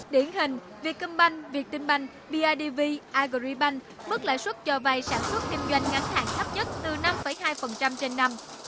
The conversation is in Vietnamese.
tinh banh bidv agribank mức lãi xuất cho vay sản xuất thêm doanh ngắn hàng thấp nhất từ năm hai trên năm